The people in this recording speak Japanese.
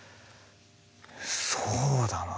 そうだな。